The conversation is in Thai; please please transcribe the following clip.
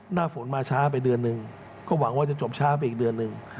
หน้าฝนมาช้าไปเดือนหนึ่งก็หวังว่าจะจบช้าไปอีกเดือนหนึ่ง